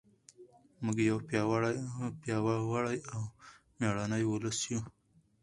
موږ یو پیاوړی او مېړنی ولس یو.